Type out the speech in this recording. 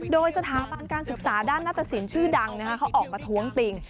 โดยสถาบันการศึกษาด้านหน้าตสินชื่อดังเขาออกมาท้วงติง